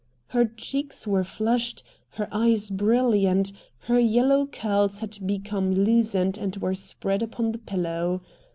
Her cheeks were flushed, her eyes brilliant, her yellow curls had become loosened and were spread upon the pillow.